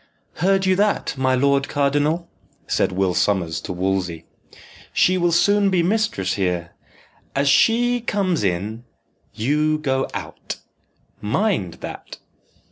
"Heard you that, my lord cardinal?" said Will Sommers to Wolsey. "She will soon be mistress here. As she comes in, you go out mind that!"